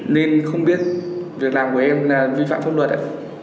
nên không biết việc làm của em là vi phạm pháp luật